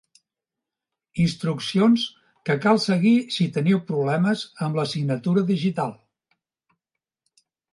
Instruccions que cal seguir si teniu problemes amb la signatura digital.